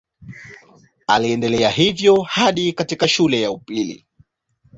Aliendelea hivyo hadi katika shule ya upili.